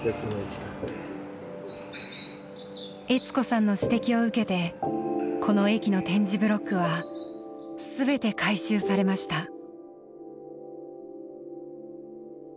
悦子さんの指摘を受けてこの駅の点字ブロックは全て改修されました。